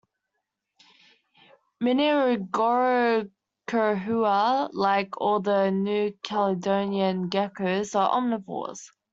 "Mniarogekko chahoua", like all of the "New Caledonian" geckos, are omnivores.